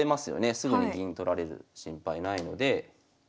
すぐに銀取られる心配ないので。